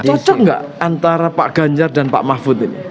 cocok nggak antara pak ganjar dan pak mahfud ini